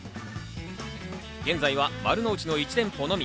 現在は丸の内の１店舗のみ。